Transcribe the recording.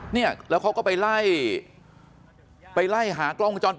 เนี่ยนี่แล้วเขาก็ไปไล่ไปไล่หาองค์จรปิด